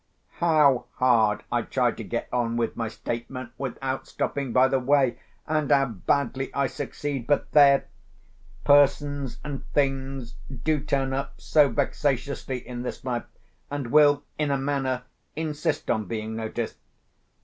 How hard I try to get on with my statement without stopping by the way, and how badly I succeed! But, there!—Persons and Things do turn up so vexatiously in this life, and will in a manner insist on being noticed.